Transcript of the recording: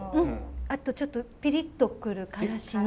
あとちょっとピリッとくる辛子の。